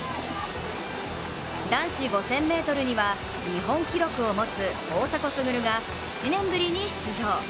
男子５０００ｍには日本記録を持つ大迫傑が７年ぶりに出場。